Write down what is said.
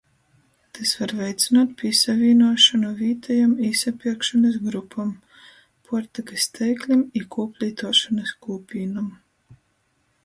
Tys var veicynuot pīsavīnuošonu vītejom īsapierkšonys grupom, puortykys teiklim i kūplītuošonys kūpīnom.